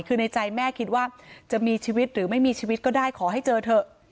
คือในใจแม่คิดว่าจะมีชีวิตหรือไม่มีชีวิตก็ได้ขอให้เจอเถอะ